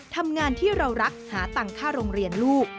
ทำงานที่เรารักหาตังค่าโรงเรียนลูก